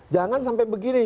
jangan sampai begini